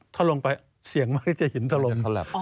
ถ้าลงไปเสียงมันก็จะหินทะลมถลับ